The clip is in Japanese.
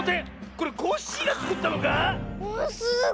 これコッシーがつくったのか⁉すごい！